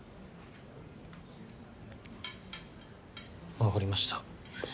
わかりました。